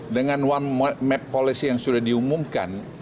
dengan one map policy yang sudah diumumkan